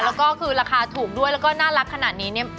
แล้วก็คือราคาถูกด้วยแล้วก็น่ารักขนาดนี้เนี่ย